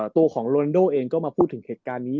ตัวของโรนโดเองก็มาพูดถึงเหตุการณ์นี้